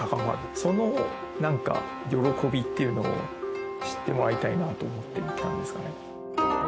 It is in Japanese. そのなんか喜びっていうのを知ってもらいたいなと思っているって感じですかね。